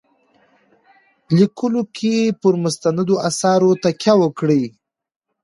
لیکلو کې پر مستندو آثارو تکیه وکړي.